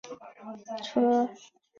车门打开了